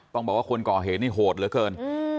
ต้องบอกว่าคนก่อเหตุนี่โหดเหลือเกิน